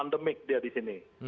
di pandemik dia di sini